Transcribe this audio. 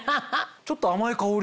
ちょっと甘い香り。